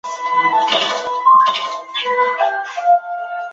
沅江澧水